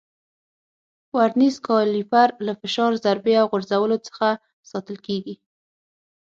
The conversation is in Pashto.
ورنیز کالیپر له فشار، ضربې او غورځولو څخه ساتل کېږي.